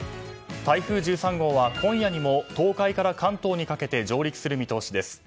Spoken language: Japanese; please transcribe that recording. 台風１３号は今夜にも東海から関東にかけて上陸する見通しです。